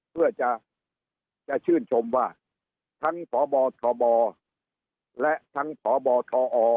เพื่อจะจะชื่นชมว่าทั้งพบทบและทั้งพบทอ